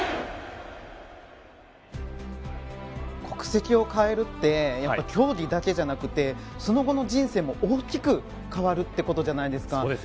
国籍を変えるって競技だけじゃなくてその後の人生も大きく変わるということじゃないですか。